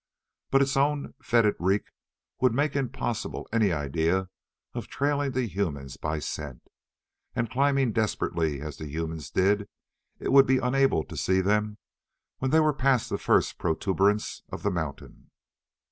But its own foetid reek would make impossible any idea of trailing the humans by scent. And, climbing desperately as the humans did, it would be unable to see them when they were past the first protuberance of the mountain.